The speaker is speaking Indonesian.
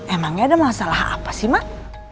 emangnya ada masalah apa sih mak